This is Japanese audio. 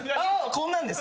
こんなんです。